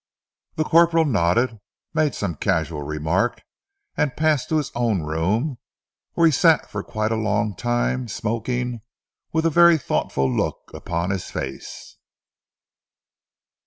The corporal nodded, made some casual remark, and passed to his own room, where he sat for quite a long time, smoking, with a very thoughtful look upon his face.